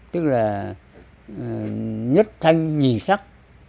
tức là nhất thanh nhì sắc